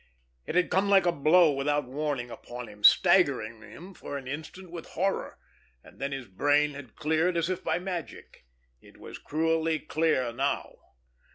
It had come like a blow without warning upon him, staggering him for an instant with horror—and then his brain had cleared as if by magic. It was cruelly clear now.